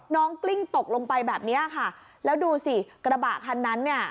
กลิ้งตกลงไปแบบเนี้ยค่ะแล้วดูสิกระบะคันนั้นเนี่ย